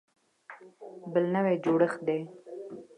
بلکل نوی جوړښت دی.